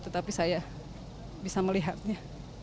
tetapi saya bisa melihatnya